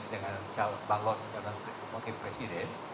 dengan calon wakil presiden